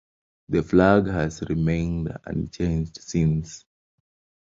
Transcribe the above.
The flag has remained unchanged since.